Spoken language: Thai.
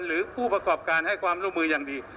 หรือผู้ประกอบการให้ความร่วมมืออย่างดี